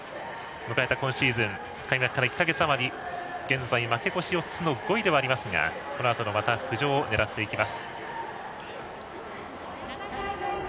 迎えた今シーズン開幕から１か月あまり現在、負け越し４つの５位ですがこのあともまた浮上を狙っていきます。